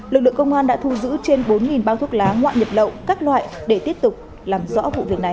lực lượng công an đã thu giữ trên bốn bao thuốc lá ngoại nhập lậu các loại để tiếp tục làm rõ vụ việc này